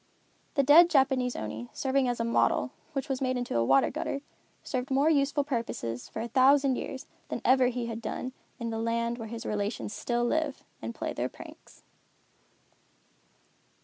The dead Japanese Oni serving as a model, which was made into a water gutter, served more useful purposes, for a thousand years, than ever he had done, in the land where his relations still live and play their pranks.